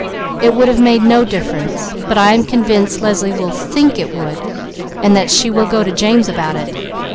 It would have made no difference; but I am convinced Leslie will think it would, and that she will go to James about it.